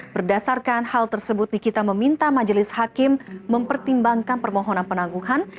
berdasarkan hal tersebut nikita meminta majelis hakim mempertimbangkan permohonan penangguhan